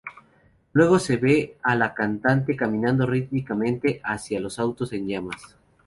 Luego se ve a la cantante caminando rítmicamente hacia los autos en llamas.